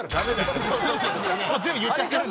全部いっちゃってるんで。